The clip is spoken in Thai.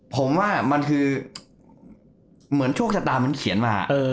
ผมว่ามันคือเหมือนโชคชะตามันเขียนมา